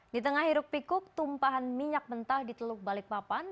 di tengah hiruk pikuk tumpahan minyak mentah di teluk balikpapan